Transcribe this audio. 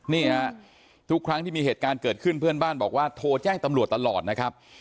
นี่ฮะทุกครั้งที่มีเหตุการณ์เกิดขึ้นเพื่อนบ้านบอกว่าโทรแจ้งตำรวจตลอดนะครับ